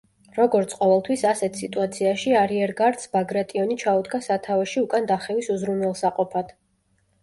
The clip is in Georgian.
როგორც ყოველთვის ასეთ სიტუაციაში არიერგარდს ბაგრატიონი ჩაუდგა სათავეში უკან დახევის უზრუნველსაყოფად.